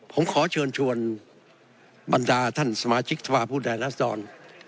ผมขอเชิญชวนบรรดาท่านสมาชิกสภาพผู้แทนรัศดร